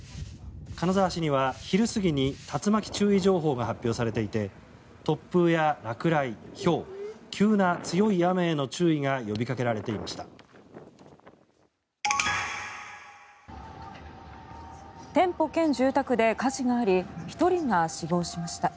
金沢市には、昼過ぎに竜巻注意情報が発表されていて突風や落雷、ひょう急な強い雨への注意が呼びかけられていました。